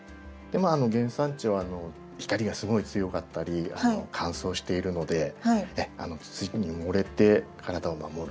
原産地は光がすごい強かったり乾燥しているので土に埋もれて体を守るっていうことですね。